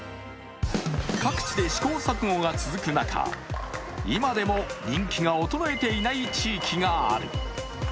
各地で試行錯誤が続く中、今でも人気が衰えていない地域がある。